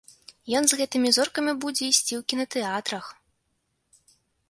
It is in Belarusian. Ён з гэтымі зоркамі будзе ісці ў кінатэатрах.